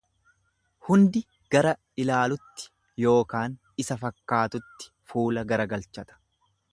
Hundi gara ilaalutti ykn isa fakkaatutti fuula garagalchata.